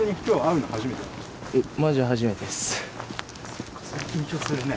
そっかそれ緊張するね。